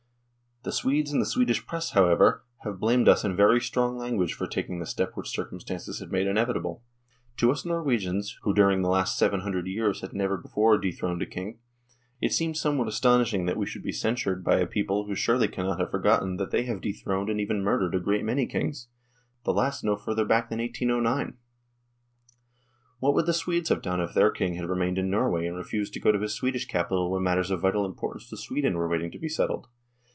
The Swedes and the Swedish Press, however, have blamed us in very strong language for taking the step which circumstances had made inevitable. To us Norwegians, who during the last 700 years had never before dethroned a King, it seemed somewhat astonishing that we should be censured by a people who surely cannot have forgotten that they have THE DISSOLUTION OF THE UNION 107 dethroned and even murdered a great many kings the last no further back than 1809. What would the Swedes have done if their King had remained in Norway and refused to go to his Swedish capital when matters of vital importance to Sweden were waiting to be settled